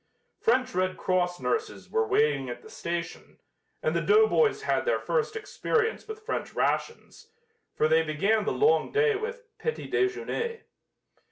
French Red Cross nurses were waiting at the station, and the doughboys had their first experience with French rations, for they began the long day with "petit déjeuner."